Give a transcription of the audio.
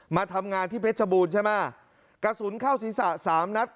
มาทำงานที่เพชรบูรณ์ใช่ไหมกระสุนเข้าศีรษะสามนัด